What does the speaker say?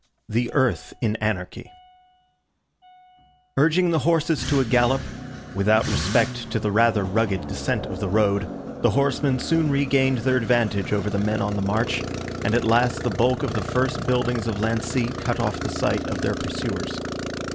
THE EARTH IN ANARCHY Urging the horses to a gallop, without respect to the rather rugged descent of the road, the horsemen soon regained their advantage over the men on the march, and at last the bulk of the first buildings of Lancy cut off the sight of their pursuers.